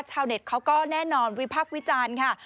เน็ตเขาก็แน่นอนวิพักษ์วิจารณ์ค่ะ